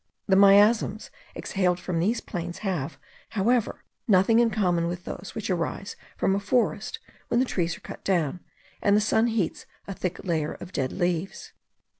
The miasms exhaled from these plains have, however, nothing in common with those which arise from a forest when the trees are cut down, and the sun heats a thick layer of dead leaves.